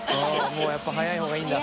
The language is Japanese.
もうやっぱ早いほうがいいんだ。